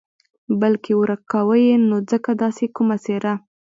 بلکې ورک کاوه یې نو ځکه داسې کومه څېره.